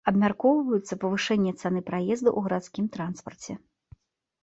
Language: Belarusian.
Абмяркоўваецца павышэнне цаны праезду ў гарадскім транспарце.